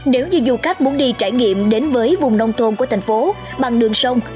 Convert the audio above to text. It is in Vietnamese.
nếu như du khách muốn đi trải nghiệm đến với vùng nông thôn của thành phố bằng đường sông